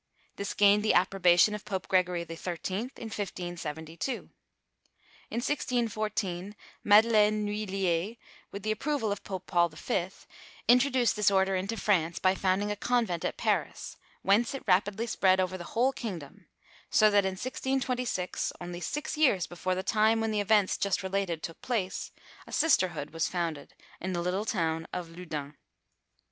This gained the approbation of Pope Gregory XIII in 1572. In 1614, Madeleine Lhuillier, with the approval of Pope Paul V, introduced this order into France, by founding a convent at Paris, whence it rapidly spread over the whole kingdom, so that in 1626, only six years before the time when the events just related took place, a sisterhood was founded in the little town of Loudun.